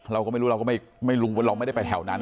เราก็ไม่รู้เราก็ไม่รู้ว่าเราไม่ได้ไปแถวนั้น